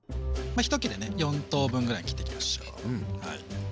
一切れね４等分ぐらいに切っていきましょう。